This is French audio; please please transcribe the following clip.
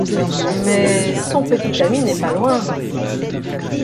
Mais son petit ami n'est pas loin…